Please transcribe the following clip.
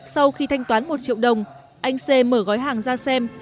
sau khi thanh toán một triệu đồng anh xê mở gói hàng ra xem